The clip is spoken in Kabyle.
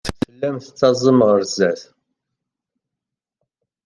Tellam tettaẓem ɣer sdat.